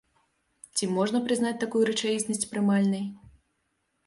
Ці можна прызнаць такую рэчаіснасць прымальнай?